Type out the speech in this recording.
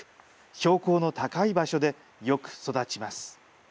標高の高い場所でよく育ちます。